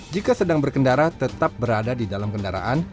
jika sedang berkendara tetap berada di dalam kendaraan